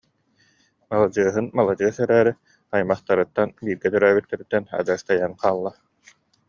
Маладьыаһын маладьыас эрээри, аймахтарыттан, бииргэ төрөөбүттэриттэн адьас тэйэн хаалла